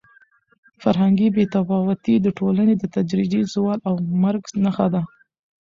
فرهنګي بې تفاوتي د ټولنې د تدریجي زوال او مرګ نښه ده.